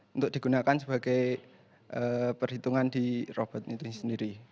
untuk digunakan sebagai perhitungan di robot itu sendiri